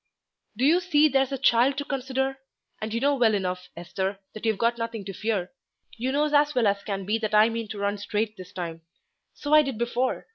"Do you see, there's the child to consider? And you know well enough, Esther, that you've nothing to fear; you knows as well as can be that I mean to run straight this time. So I did before.